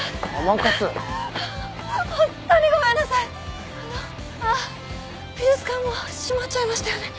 もう閉まっちゃいましたよね。